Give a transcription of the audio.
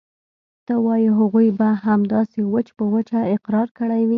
ته وايې هغوى به همداسې وچ په وچه اقرار کړى وي.